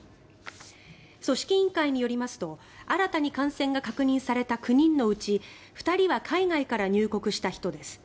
組織委員会によりますと新たに感染が確認された９人のうち２人は海外から入国した人です。